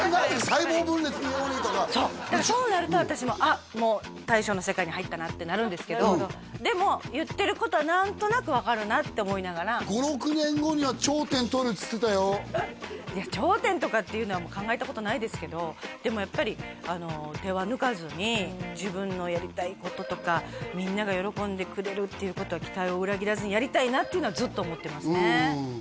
細胞分裂のようにとかそうだからそうなると私もあっもう大将の世界に入ったなってなるんですけどでも言ってることは何となく分かるなって思いながらいや頂点とかっていうのは考えたことないですけどでもやっぱり手は抜かずに自分のやりたいこととかみんなが喜んでくれるっていうことは期待を裏切らずにやりたいなっていうのはずっと思ってますね